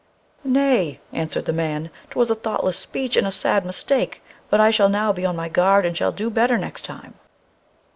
"Nay!" answered the man, "'twas a thoughtless speech, and a sad mistake; but I shall now be on my guard, and shall do better next time."